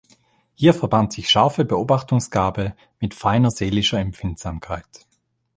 Hier verband sich scharfe Beobachtungsgabe mit feiner seelischer Empfindsamkeit.